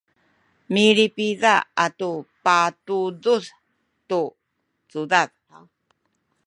milipida atu patudud tu cudad